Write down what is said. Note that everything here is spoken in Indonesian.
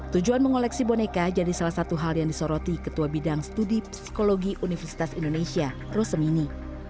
tujuan mengoleksi boneka jadi salah satu hal yang disoroti ketua bidang studi psikologi universitas indonesia rosemini